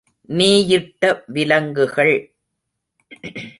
நீ யிட்ட விலங்குகள்.